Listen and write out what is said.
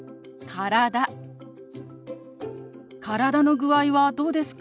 「体の具合はどうですか？」。